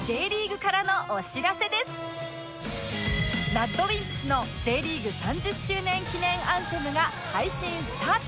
ＲＡＤＷＩＭＰＳ の Ｊ リーグ３０周年記念アンセムが配信スタート！